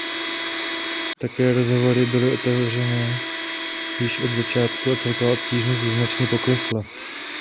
Také rozhovory byly otevřené již od začátku a celková obtížnost značně poklesla.